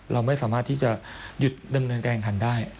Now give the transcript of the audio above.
เราไม่สามารถยุดนำเนินแกงขันได้